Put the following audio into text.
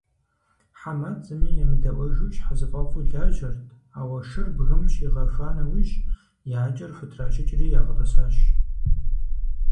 ХьэматӀ зыми емыдэӀуэжу щхьэзыфӀэфӀу лажьэрт, ауэ шыр бгым щигъэхуа нэужь, и акӀэр хутращыкӀри ягъэтӀысащ.